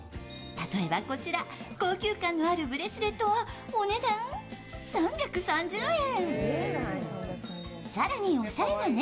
例えばこちら、高級感のあるブレスレットはお値段３３０円。